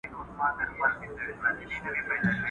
o کټورى که مات سو، که نه سو، ازانگه ئې ولاړه.